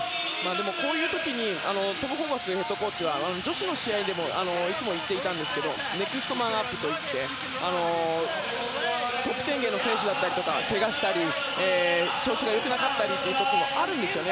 でも、こういう時にトム・ホーバスヘッドコーチは女子の試合でもいつも言っていたんですけどネクストマンアップといって得点源の選手だったりとかけがしたり、調子が良くなかったりすることもあるんですね。